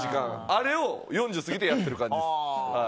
あれを４０過ぎてやってる感じです。